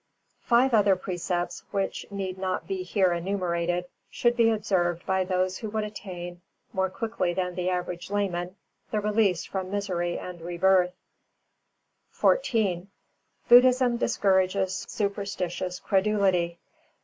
Five other precepts which need not be here enumerated should be observed by those who would attain, more quickly than the average layman, the release from misery and rebirth. XIV Buddhism discourages superstitious credulity.